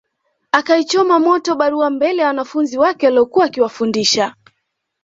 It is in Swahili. Akaichoma moto barua mbele ya wanafunzi wake aliokuwa akiwafundisha